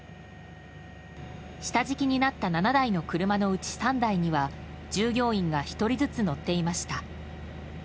下敷きになった７台の車のうち３台には従業員が１人ずつ乗っていました。